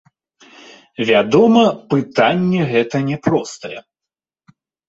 Вядома, пытанне гэта няпростае.